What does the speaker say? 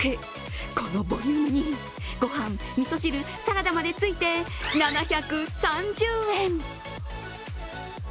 このボリュームに御飯、みそ汁、サラダまでついて７３０円。